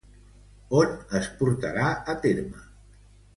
On es portarà a terme?